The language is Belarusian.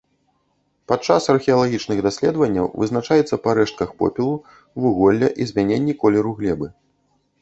Падчас археалагічных даследаванняў вызначаецца па рэштках попелу, вуголля і змяненні колеру глебы.